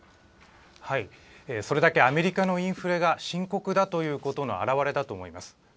それだけアメリカのインフレが深刻だということの表れだと思います。